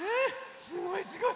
すごいすごい。